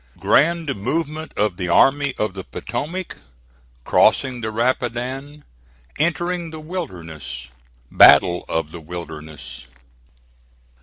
GRAND MOVEMENT OF THE ARMY OF THE POTOMAC CROSSING THE RAPIDAN ENTERING THE WILDERNESS BATTLE OF THE WILDERNESS.